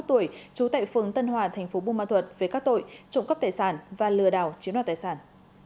ba mươi một tuổi trú tại phường tân hòa tp bung ma thuật với các tội trụng cấp tài sản và lừa đảo chiếm đoạt tài sản